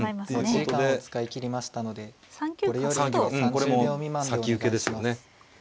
これも先受けですよね。